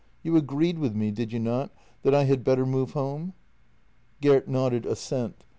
You agreed with me, did you not, that I had better move home? " JENNY 201 Gert nodded assent.